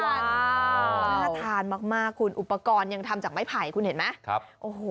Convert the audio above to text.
น่าทานมากคุณอุปกรณ์ยังทำจากไม้ไผ่คุณเห็นไหม